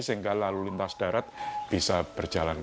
sehingga lalu lintas darat bisa berjalan